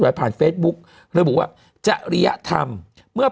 มันติดคุกออกไปออกมาได้สองเดือน